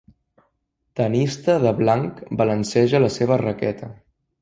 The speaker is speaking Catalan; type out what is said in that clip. Tennista de blanc balanceja la seva raqueta.